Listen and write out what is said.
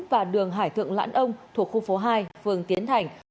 và đường hải thượng lãn ông thuộc khu phố hai phường tiến thành